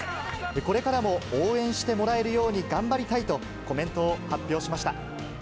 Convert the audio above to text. これからも応援してもらえるように頑張りたいと、コメントを発表しました。